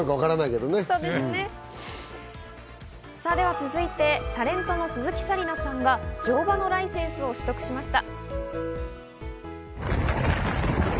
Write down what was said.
続いて、タレントの鈴木紗理奈さんが乗馬のライセンスを取得しました。